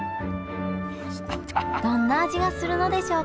どんな味がするのでしょうか？